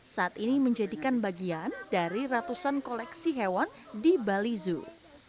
saat ini menjadikan bagian dari ratusan koleksi hewan di bali zoo